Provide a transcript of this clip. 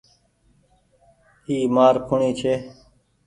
اي مآري کوڻي ڇي۔